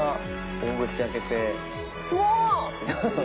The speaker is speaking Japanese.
大口開けて「もう！」。